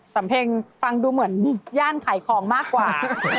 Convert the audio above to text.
สำเพ็งฟังดูเหมือนย่านขายของมากกว่า